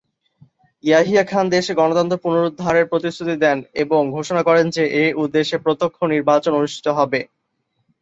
ইয়াহিয়া খান দেশে গণতন্ত্র পুনরুদ্ধারের প্রতিশ্রুতি দেন এবং ঘোষণা করেন যে এ উদ্দেশ্যে প্রত্যক্ষ নির্বাচন অনুষ্ঠিত হবে।